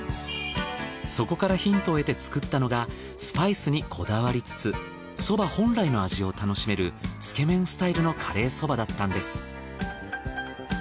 そこからヒントを得て作ったのがスパイスにこだわりつつ蕎麦本来の味を楽しめるつけ麺スタイルのカレー蕎麦だったんです。